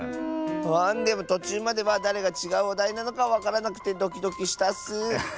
あでもとちゅうまではだれがちがうおだいなのかわからなくてドキドキしたッス！